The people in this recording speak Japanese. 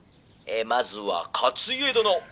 「まずは勝家殿」。